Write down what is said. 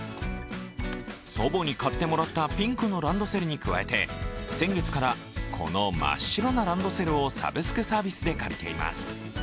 祖母に買ってもらったピンクのランドセルに加えて先月から、この真っ白なランドセルをサブスクサービスで借りています。